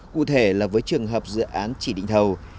cụ thể là với trường hợp dự án chỉ định thầu